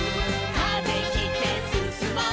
「風切ってすすもう」